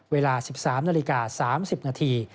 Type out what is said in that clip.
เวลา๑๓นาฬิกา๓๐นาที